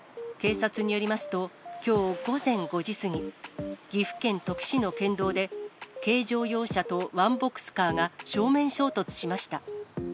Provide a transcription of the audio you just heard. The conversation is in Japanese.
警察によりますと、きょう午前５時過ぎ、岐阜県土岐市の県道で、軽乗用車とワンボックスカーが正面衝突しました。